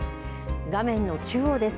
画面の中央です。